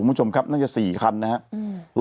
มันจะมี๔คันนะครับ